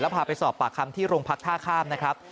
พาไปสอบปากคำที่โรงพักท่าข้ามนะครับ